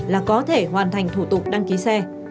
là có thể hoàn thành thủ tục đăng ký xe